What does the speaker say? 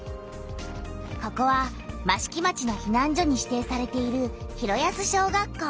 ここは益城町のひなん所に指定されている広安小学校。